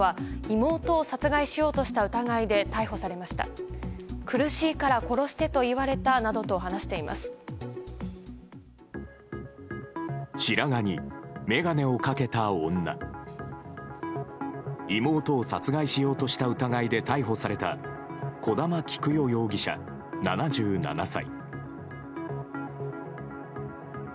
妹を殺害しようとした疑いで逮捕された小玉喜久代容疑者、７７歳。